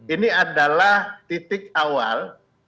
ini adalah titik awal